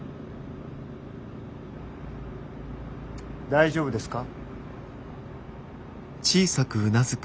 大丈夫ですか？